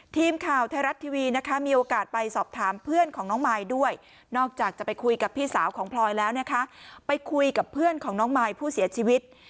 ทีมข่าวไทยรัฐทีวีนะคะมีโอกาสไปสอบถามเพื่อนของน้องมายด้วยนอกจากจะไปคุยกับพี่สาวของพลอยแล้วนะคะไปคุยกับเพื่อนของน้องมายผู้เสียชีวิต